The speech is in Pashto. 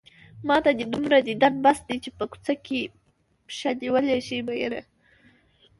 ماته دې دومره ديدن بس دی چې په کوڅه کې پښه نيولی شې مينه